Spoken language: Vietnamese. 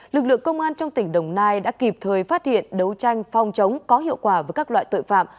lực lượng công an trong tỉnh đồng nai đã kịp thời phát hiện đấu tranh phong chống có hiệu quả với các loại tội phạm